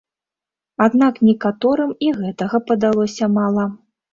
Аднак некаторым і гэтага падалося мала.